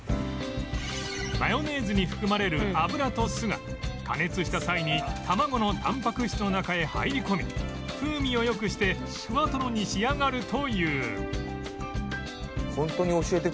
マヨネーズに含まれる油と酢が加熱した際にたまごのタンパク質の中へ入り込み風味を良くしてふわとろに仕上がるという